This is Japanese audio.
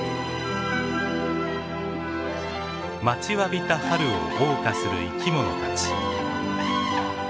待ちわびた春をおう歌する生き物たち。